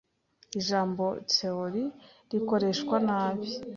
Ijambo "théorie" rikoreshwa nabi